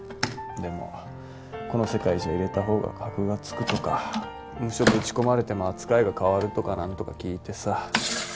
でもこの世界じゃ入れた方が箔がつくとかムショぶち込まれても扱いが変わるとか何とか聞いてさ。